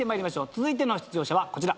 続いての出場者はこちら。